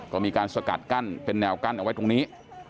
ก็มีการสกัดกั้นเป็นแนวกั้นเอาไว้ตรงนี้